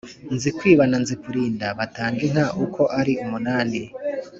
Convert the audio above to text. Nzikwiba na Nzikurinda batanga inka uko ari umunani